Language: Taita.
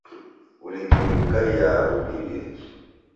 W'ulindiri ghukaiaa ghubirie.